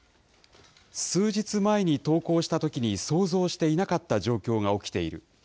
数日前に投稿したときに想像していなかった状況が起きている。